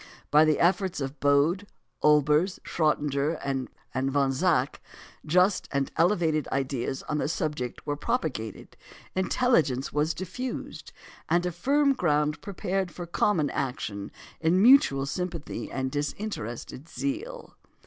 By the efforts of Bode, Olbers, Schröter, and Von Zach, just and elevated ideas on the subject were propagated, intelligence was diffused, and a firm ground prepared for common action in mutual sympathy and disinterested zeal.